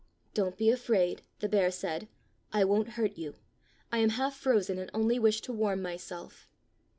" Don't be afraid," the bear said. "I won't hurt you. I am half frozen and only wish to warm myself."